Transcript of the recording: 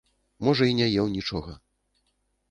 Можа й не еў нічога.